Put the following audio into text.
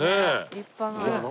立派な。